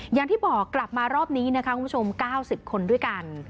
อย่างที่บอกกลับมารอบนี้นะคะคุณผู้ชม๙๐คนด้วยกัน